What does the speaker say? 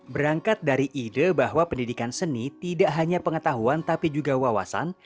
berangkat dari ide bahwa pendidikan seni tidak hanya pengetahuan tapi juga wawasan